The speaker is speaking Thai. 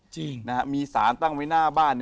จริงนะฮะมีสารตั้งไว้หน้าบ้านเนี่ย